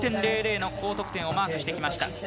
９０．００の高得点をマークしてきました。